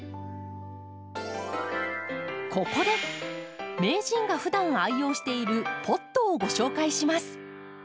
ここで名人がふだん愛用しているポットをご紹介します。